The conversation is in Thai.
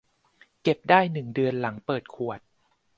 เก็บได้หนึ่งเดือนหลังเปิดขวด